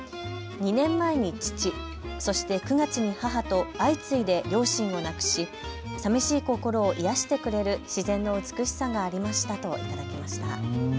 ２年前に父、そして９月に母と相次いで両親を亡くし、さみしい心を癒やしてくれる自然の美しさがありましたと頂きました。